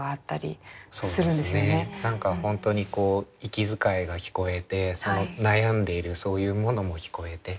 何か本当にこう息遣いが聞こえてその悩んでいるそういうものも聞こえて。